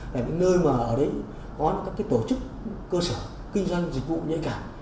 là những nơi mà ở đấy có những tổ chức cơ sở kinh doanh dịch vụ nhẹ cảm